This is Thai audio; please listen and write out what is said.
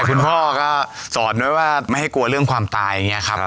คุณพ่อก็สอนไว้ว่าไม่ให้กลัวเรื่องความตายอย่างนี้ครับ